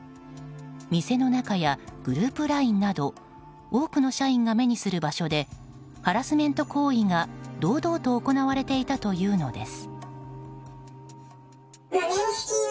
店の中やグループＬＩＮＥなど多くの社員が目にする場所でハラスメント行為が堂々と行われていたというのです。